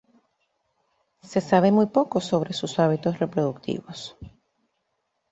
Se sabe muy poco sobre sus hábitos reproductivos.